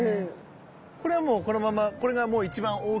これはもうこのままこれがもう一番大きいというか？